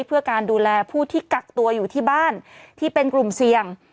เพื่อการดูแลผู้ที่กักตัวอยู่ที่บ้านที่เป็นกลุ่มเสี่ยง